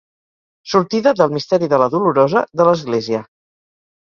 Sortida del Misteri de la Dolorosa de l'Església.